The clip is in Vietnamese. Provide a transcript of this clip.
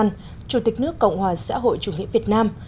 như bộ trưởng bộ công an chủ tịch nước cộng hòa xã hội chủ nghĩa việt nam